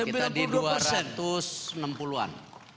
kita di dua ratus enam puluh an